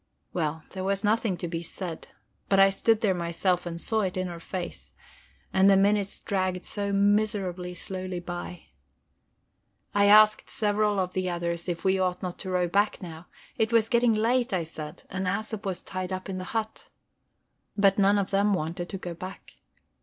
Well, there was nothing to be said but I stood there myself and saw it in her face. And the minutes dragged so miserably slowly by! I asked several of the others if we ought not to row back now; it was getting late, I said, and Æsop was tied up in the hut. But none of them wanted to go back.